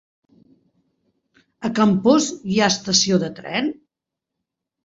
A Campos hi ha estació de tren?